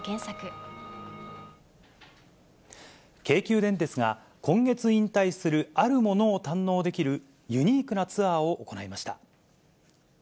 京急電鉄が、今月引退するあるものを堪能できる、ユニークなツアーを行いました。